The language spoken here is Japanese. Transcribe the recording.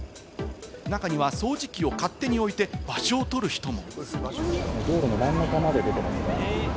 中には、掃除機を勝手に置いて場所をとる人も。